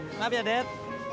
kenapa ya dad